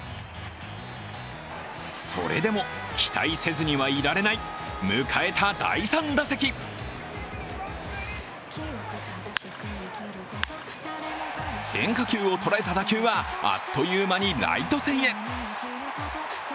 それでも期待せずにはいられない。迎えた第３打席変化球を捉えた打球はあっという間にライト線へ。